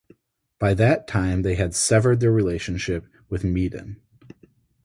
By that time they had severed their relationship with Meaden.